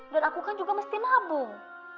dan aku kan juga mesti nabung